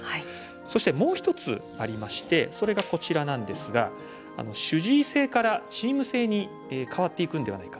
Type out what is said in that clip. そして、もう１つありましてそれが、こちらなんですが主治医制からチーム制へ変わっていくんではないか。